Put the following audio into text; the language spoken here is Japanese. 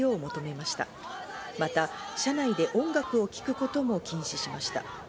また車内で音楽を聴くことも禁止しました。